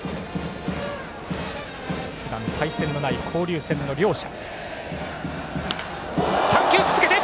ふだん対戦のない交流戦の両者。